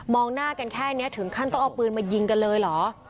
หน้ากันแค่นี้ถึงขั้นต้องเอาปืนมายิงกันเลยเหรอ